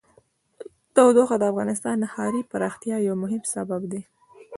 تودوخه د افغانستان د ښاري پراختیا یو مهم سبب دی.